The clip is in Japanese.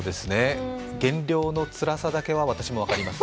減量のつらさだけは私も分かります。